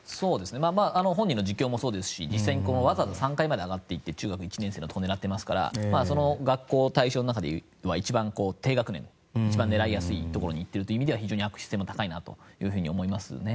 本人の自供もそうですし実際に、わざわざ３階まで上がっていって中学１年生を狙っていますからその学校の対象の中では低学年一番狙いやすいところに行ってるという意味では悪質性が高いと思いますね。